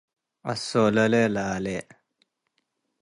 እሶሎሌ-ላሌ፣